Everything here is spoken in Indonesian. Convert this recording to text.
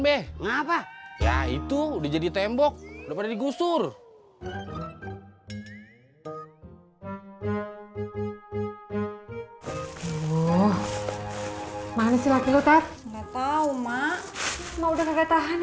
be ngapa ya itu udah jadi tembok depan digusur loh manis laki laki tau tau mak udah nggak tahan